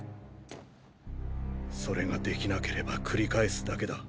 それができなければ繰り返すだけだ。